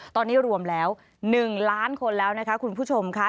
ตอนนี้รวมแล้ว๑ล้านคนแล้วนะคะคุณผู้ชมค่ะ